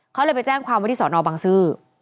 เขาเลยไปแจ้งความว่าที่สอนอบังซื้อ